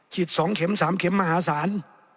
๒เข็ม๓เข็มมหาศาล